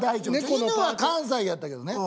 犬は関西やったけどね